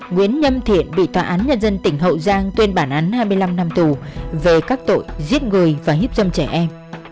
nguyễn nhâm thiện bị tòa án nhân dân tỉnh hậu giang tuyên bản án hai mươi năm năm tù về các tội giết người và hiếp dâm trẻ em